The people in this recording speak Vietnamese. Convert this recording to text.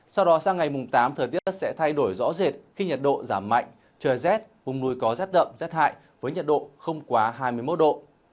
sau đó sang ngày mùng tám thời tiết sẽ thay đổi rõ rệt khi nhiệt độ giảm mạnh trời rét vùng núi có rét đậm rét hại với nhiệt độ không quá hai mươi một độ